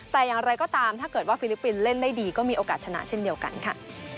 แต่อย่างไรก็ตามถ้าเกิดว่าฟิลิปปินส์เล่นได้ดีก็มีโอกาสชนะเช่นเดียวกันค่ะ